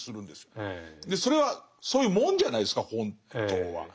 それはそういうもんじゃないですか本当は。